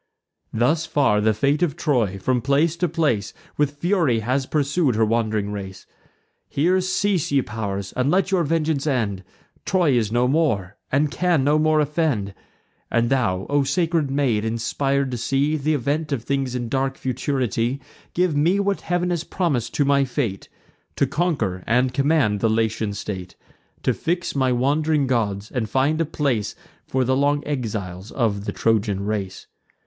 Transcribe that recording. Thus far the fate of Troy, from place to place, With fury has pursued her wand'ring race. Here cease, ye pow'rs, and let your vengeance end: Troy is no more, and can no more offend. And thou, O sacred maid, inspir'd to see Th' event of things in dark futurity; Give me what Heav'n has promis'd to my fate, To conquer and command the Latian state; To fix my wand'ring gods, and find a place For the long exiles of the Trojan race.